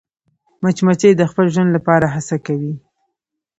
مچمچۍ د خپل ژوند لپاره هڅه کوي